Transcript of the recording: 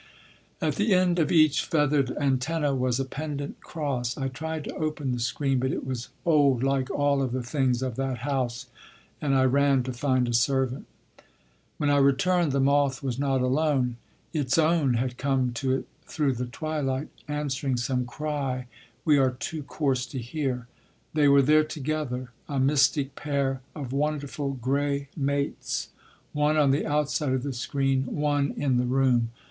At the end of each feathered antenna was a pendent cross. I tried to open the screen, but it was old like all of the things of that house and I ran to find a servant. When I returned, the moth was not alone. Its own had come to it through the twilight—answering some cry we are too coarse to hear. They were there together—a mystic pair of wonderful gray mates—one on the outside of the screen, one in the room.